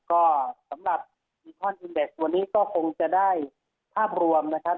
ก็สำหรับวันนี้ก็คงจะได้ภาพรวมนะครับ